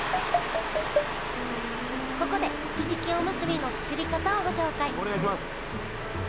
ここでひじきおむすびの作り方をご紹介お願いします。